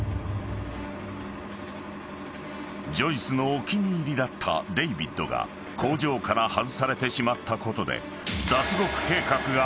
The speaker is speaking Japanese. ［ジョイスのお気に入りだったデイビッドが工場から外されてしまったことで］